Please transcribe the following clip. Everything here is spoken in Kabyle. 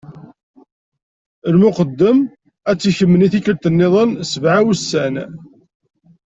Lmuqeddem ad t-ikmen i tikkelt-nniḍen, sebɛa n wussan.